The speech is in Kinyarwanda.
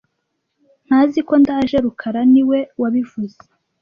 Ntazi ko ndaje rukara niwe wabivuze